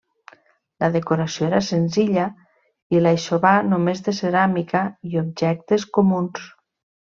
La decoració era senzilla, i l'aixovar només de ceràmica i objectes comuns.